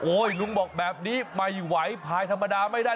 ลุงบอกแบบนี้ไม่ไหวภายธรรมดาไม่ได้